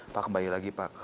pak kembali lagi pak